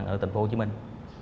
ở thành phố hồ chí minh